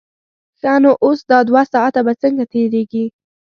ښه نو اوس دا دوه ساعته به څنګه تېرېږي.